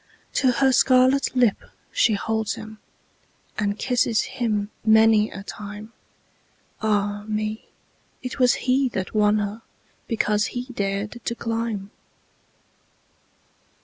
To her scarlet lip she holds him, And kisses him many a time—Ah, me! it was he that won herBecause he dared to climb!